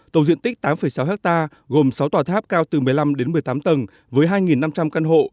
tổng diện tích tám sáu hectare gồm sáu tòa tháp cao từ một mươi năm đến một mươi tám tầng với hai năm trăm linh căn hộ